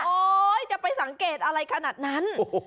จะไปสังเกตอะไรขนาดนั้น